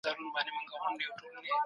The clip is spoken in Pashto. دوی ریاضیاتي ماډلونه کارول.